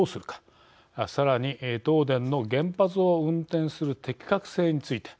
さらに東電の原発を運転する適格性について。